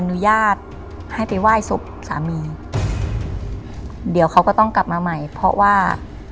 อนุญาตให้ไปไหว้ศพสามีเดี๋ยวเขาก็ต้องกลับมาใหม่เพราะว่า